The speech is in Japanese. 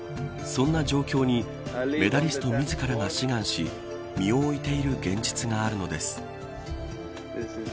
そんな状況にメダリスト自らが志願し身を置いている現実があるのです。